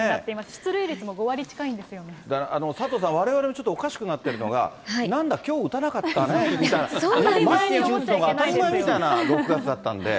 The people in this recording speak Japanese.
出塁率も５割近いんですよだから、佐藤さん、われわれちょっとおかしくなってるのは、なんだきょう打たなかったねみたいな、毎日打つのが当たり前みたいな６月だったんで。